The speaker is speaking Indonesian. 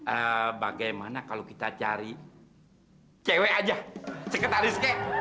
eee bagaimana kalo kita cari cewek aja ceketaniske